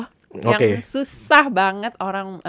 yang susah banget orang